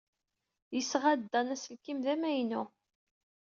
Yesɣa-d Dan aselkim d amaynu.